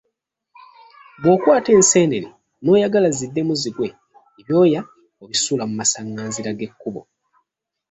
Bw’okwata eseenene n’oyagala ziddemu zigwe ebyoya obisuula mu masanganzira g’ekkubo.